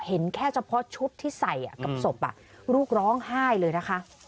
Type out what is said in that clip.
เห็นแค่เฉพาะชุดที่ใส่กับศพลูกร้องไห้เลยนะคะ